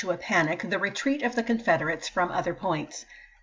a panic, the retreat of the Confederates from other points.